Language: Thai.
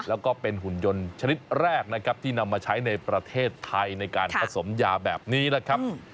แล้วก็เป็นหุ่นยนต์ชนิดแรกนะครับที่นำมาใช้ในประเทศไทยในการผสมยาแบบนี้นะครับ